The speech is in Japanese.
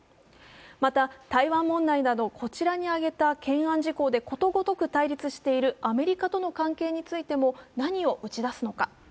また、台湾問題など、こちらに挙げた懸案事項でことごとく対立しているアメリカとの関係についても何を打ち出すのか。